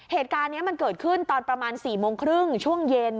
เหตุการณ์นี้มันเกิดขึ้นตอนประมาณ๔โมงครึ่งช่วงเย็น